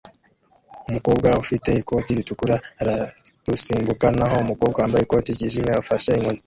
Umukobwa ufite ikote ritukura ararusimbuka naho umukobwa wambaye ikote ryijimye afashe inkoni